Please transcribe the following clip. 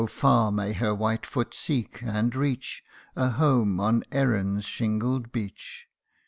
far may her white foot seek, and reach, A home on Erin's shingled beach